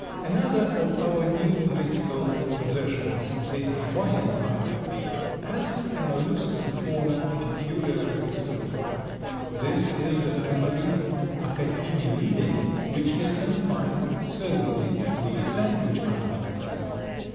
Another of our new political possessions, the Hawaiian Islands, has a molluscan fauna peculiar to itself. This is the family Achatinellidae which is confined solely to the Sandwich Islands.